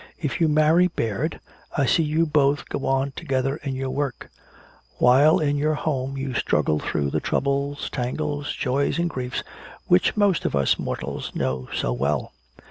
If you marry Baird, I see you both go on together in your work, while in your home you struggle through the troubles, tangles, joys and griefs which most of us mortals know so well!